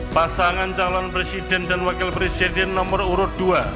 pasangan calon presiden dan wakil presiden nomor urut dua